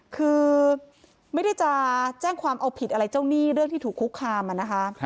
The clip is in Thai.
คือไม่ได้จะแจ้งความเอาผิดอะไรเจ้าหนี้เรื่องที่ถูกคุกคามอะนะคะ